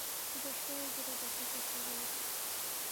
ته دا شپه وګوره دا تپه تیاره وګوره.